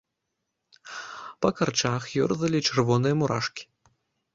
Па карчах ёрзалі чырвоныя мурашкі.